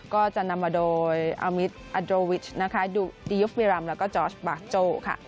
ก็จะนำมาโดยอัลมิตอัดโดรวิชดียูฟวีรัมแล้วก็จอร์ชบาคโจ